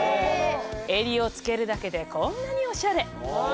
襟をつけるだけでこんなにおしゃれ！